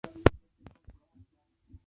Consiste en varias unidades.